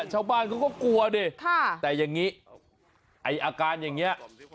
ชาวบ้านเขาก็กลัวดิแต่อย่างนี้ไอ้อาการอย่างนี้